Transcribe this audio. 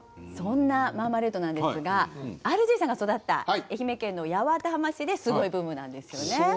そんなマーマレードなんですがＲＧさんが育った愛媛県の八幡浜市ですごいブームなんですよね。